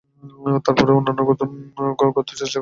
তারপরে আমরা অন্যান্য গর্তে চেষ্টা করব।